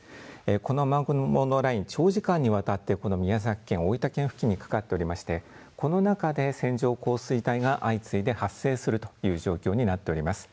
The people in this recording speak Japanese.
この雨雲のライン長時間にわたってこの宮崎県、大分県付近にかかっておりましてこの中で線状降水帯が相次いで発生するという状況になっています。